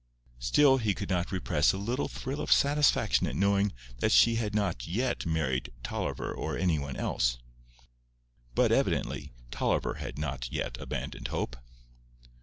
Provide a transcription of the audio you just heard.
Still he could not repress a little thrill of satisfaction at knowing that she had not yet married Tolliver or anyone else. But evidently Tolliver had not yet abandoned hope.